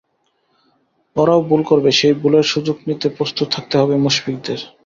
ওরাও ভুল করবে, সেই ভুলের সুযোগ নিতে প্রস্তুত থাকতে হবে মুশফিকদের।